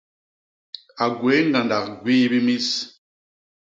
A gwéé ñgandak gwii bi mis.